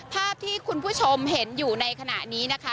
ภาพที่คุณผู้ชมเห็นอยู่ในขณะนี้นะคะ